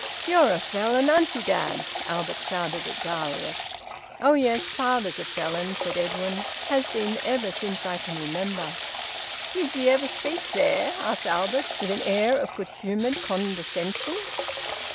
"You're a Felon, aren't you, dad?" Albert shouted at Darius. "Oh yes, father's a Felon," said Edwin. "Has been ever since I can remember." "Did ye ever speak there?" asked Albert, with an air of good humoured condescension.